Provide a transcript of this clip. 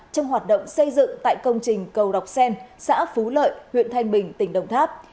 trong hoạt động xây dựng tại công trình cầu đọc sen xã phú lợi huyện thanh bình tỉnh đồng tháp